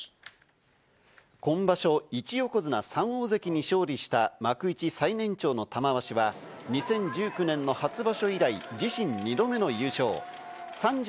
今場所、１横綱３大関に勝利した幕内最年長の玉鷲は２０１９年の初場所以来、自身２度目の優勝。